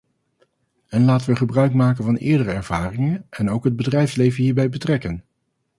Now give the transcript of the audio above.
En laten we gebruik maken van eerdere ervaringen en ook het bedrijfsleven hierbij betrekken.